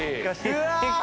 うわ！